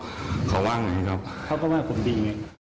แล้วน้องเค้าว่าอย่างไรครับเค้าก็ว่าผมดี